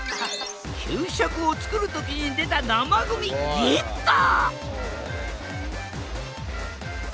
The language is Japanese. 給食を作る時に出た生ゴミゲット！